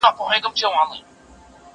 يو په بل يې ښخول تېره غاښونه